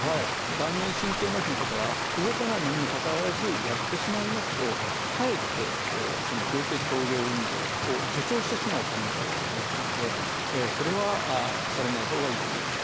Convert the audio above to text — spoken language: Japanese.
顔面神経麻痺の方は動かないのにもかかわらずやってしまいますとかえって病的共同運動を助長してしまう可能性がありますのでそれはされないほうがいいと思います。